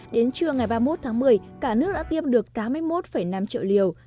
đến trưa ngày ba mươi một tháng một mươi cả nước đã tiêm được tám mươi một năm triệu liều